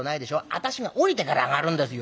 私が下りてから上がるんですよ」。